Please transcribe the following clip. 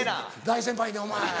大先輩にお前。